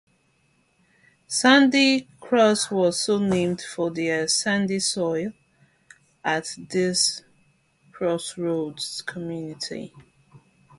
Sandy Cross was so named for their sandy soil at this crossroads community.